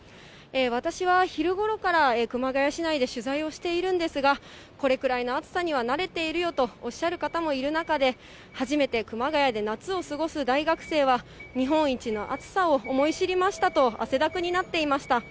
私は昼ごろから熊谷市内で取材をしているんですが、これくらいの暑さには慣れているよとおっしゃる方もいる中で、初めて熊谷で夏を過ごす大学生は、日本一の暑さを思い知りましたと、汗だくになっていました。